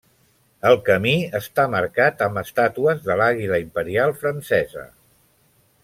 El camí està marcat amb estàtues de l'Àguila Imperial francesa.